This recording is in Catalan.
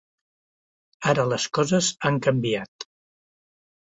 Ara les coses han canviat.